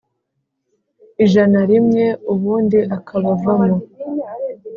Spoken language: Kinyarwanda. ijana rimwe ubundi akabavamo